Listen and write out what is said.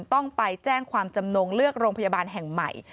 ต้องไปแจ้งความจำนงเลือกโรงพยาบาลแห่งใหม่